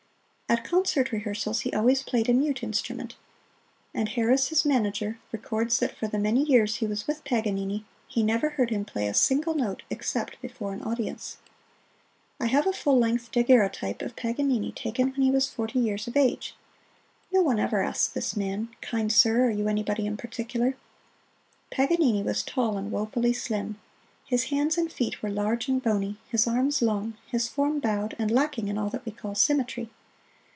At concert rehearsals he always played a mute instrument; and Harris, his manager, records that for the many years he was with Paganini he never heard him play a single note except before an audience. I have a full length daguerreotype of Paganini taken when he was forty years of age. No one ever asked this man, "Kind sir, are you anybody in particular?" Paganini was tall and wofully slim. His hands and feet were large and bony, his arms long, his form bowed and lacking in all that we call symmetry.